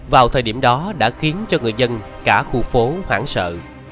vào thời điểm đó đã khiến cho người dân cả khu phố hoảng sợ